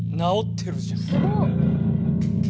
すごっ！